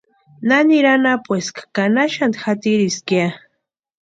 ¿Naniri anapueski ka na xanti jatiriski ya?